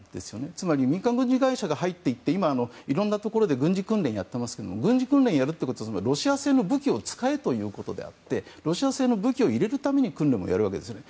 つまり民間軍事会社が入っていろんなところで軍事訓練をやっていますけども軍事訓練をやるということはつまりロシア製の武器を使えってことであってロシア製の武器を入れるために訓練をやるわけですね。